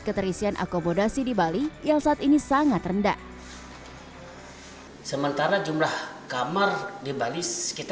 keterisian akomodasi di bali yang saat ini sangat rendah sementara jumlah kamar dibalist kita satu ratus lima puluh enam